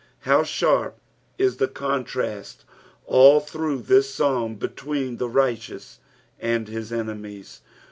How sharp is the conttsst all through this Psalm between the righteous and his enemies